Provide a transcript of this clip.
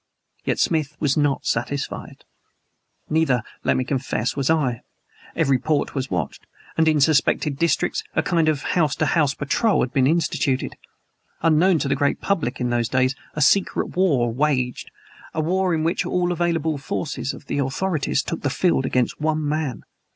Yet Smith was not satisfied. Neither, let me confess, was I. Every port was watched; and in suspected districts a kind of house to house patrol had been instituted. Unknown to the great public, in those days a secret war waged a war in which all the available forces of the authorities took the field against one man!